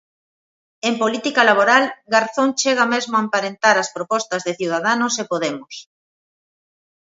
En política laboral, Garzón chega mesmo a emparentar as propostas de Ciudadanos e Podemos.